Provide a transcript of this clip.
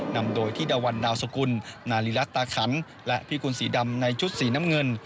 นำโดยธิดาวันดาวสกุลนาลีรัตตาขันและพี่กุลสีดำในชุดสีน้ำเงิน